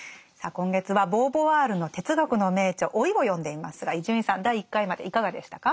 今月はボーヴォワールの哲学の名著「老い」を読んでいますが伊集院さん第１回までいかがでしたか？